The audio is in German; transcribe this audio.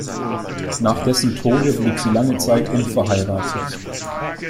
Nach dessen Tode blieb sie lange Zeit unverheiratet.